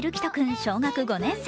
小学５年生。